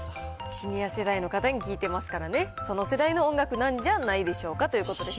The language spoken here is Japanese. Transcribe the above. シニア世代の方に聞いてますからね、その世代の音楽なんじゃないでしょうかということです。